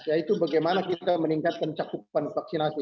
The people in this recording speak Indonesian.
yaitu bagaimana kita meningkatkan cakupan vaksinasi